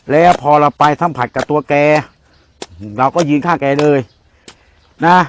แล้วพอเราไปสัมผัสกับตัวแกเราก็ยืนฆ่าแกเลยนะ